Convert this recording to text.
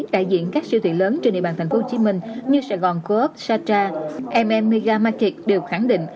đại diện các siêu thị lớn trên địa bàn tp hcm như sài gòn coop sata mm mega market đều khẳng định